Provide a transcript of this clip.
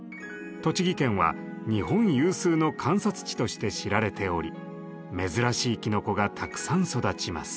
栃木県は日本有数の観察地として知られており珍しいきのこがたくさん育ちます。